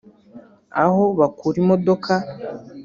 aho bakura imodoka